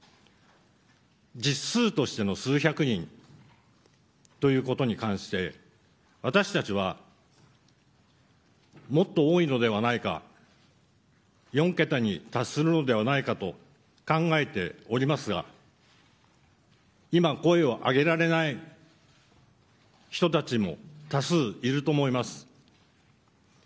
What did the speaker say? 実数としての数百人ということに関して私たちはもっと多いのではないか４桁に達するのではないかと考えておりますが今、声を上げられない人たちも多数いると思います。